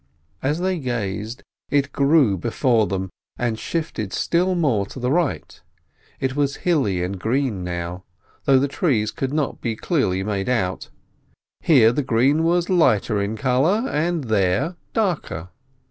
As they gazed it grew before them, and shifted still more to the right. It was hilly and green now, though the trees could not be clearly made out; here, the green was lighter in colour, and there, darker.